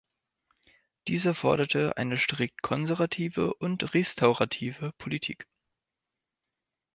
Dieser forderte eine strikt konservative und restaurative Politik.